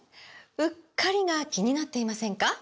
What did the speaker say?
“うっかり”が気になっていませんか？